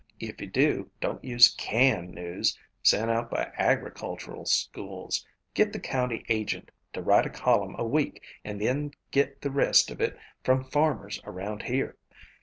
If you do, don't use 'canned' news sent out by agricultural schools. Get the county agent to write a column a week and then get the rest of it from farmers around here.